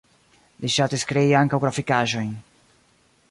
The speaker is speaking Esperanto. Li ŝatis krei ankaŭ grafikaĵojn.